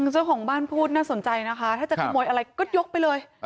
เจ้าของบ้านพูดน่าสนใจนะคะถ้าจะขโมยอะไรก็ยกไปเลย